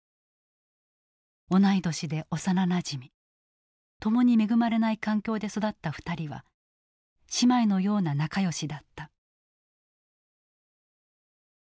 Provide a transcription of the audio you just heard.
同い年で幼なじみ共に恵まれない環境で育った２人は姉妹のような仲よしだった。